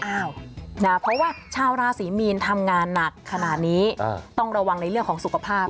เพราะว่าชาวราศรีมีนทำงานหนักขนาดนี้ต้องระวังในเรื่องของสุขภาพ